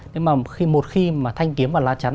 nhưng mà một khi mà thanh kiếm và lá trắng